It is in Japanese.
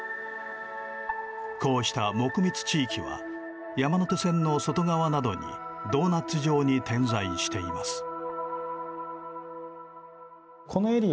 こうした木密地域は山手線の外側などにドーナツ状に点在しています。